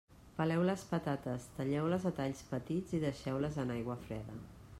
Peleu les patates, talleu-les a talls petits i deixeu-les en aigua freda.